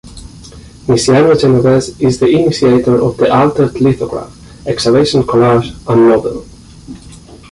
Misiano-Genovese is the initiator of the Altered Lithograph, Excavation Collage and Novel.